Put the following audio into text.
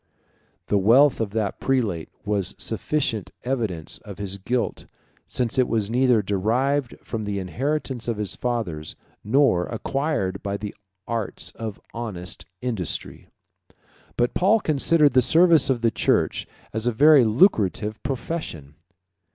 The wealth of that prelate was a sufficient evidence of his guilt, since it was neither derived from the inheritance of his fathers, nor acquired by the arts of honest industry. But Paul considered the service of the church as a very lucrative profession.